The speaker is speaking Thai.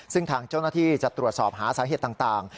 ซึ่งทางเจ้าหน้าที่จะตรวจสอบหาสาเหตุต่าง